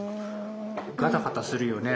ガタガタするよね？